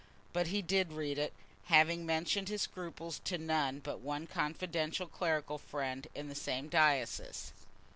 But he did read it, having mentioned his scruples to none but one confidential clerical friend in the same diocese.